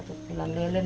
ibu mengalami kematian